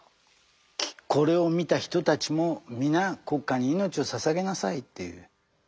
これを見た人たちも皆国家に命を捧げなさいという。